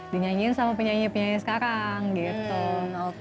dinyanyiin sama penyanyi penyanyi sekarang gitu